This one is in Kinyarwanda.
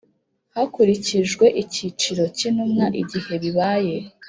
hakurikijwe icyiciro cy Intumwa igihe bibaye